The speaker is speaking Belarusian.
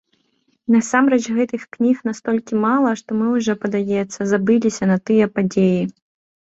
Насамрэч гэтых кніг настолькі мала, што мы ўжо, падаецца, забыліся на тыя падзеі.